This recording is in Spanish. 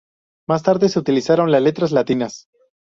Más tarde, se utilizaron las letras latinas.